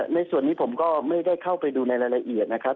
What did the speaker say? ในส่วนนี้ผมก็ไม่ได้เข้าไปดูในรายละเอียดนะครับ